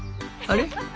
あれ？